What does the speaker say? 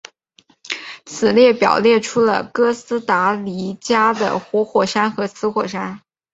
本列表列出了哥斯达黎加的活火山与死火山。